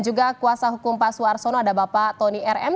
juga kuasa hukum pak suarsono ada bapak tony rm